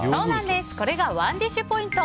これがＯｎｅＤｉｓｈポイント。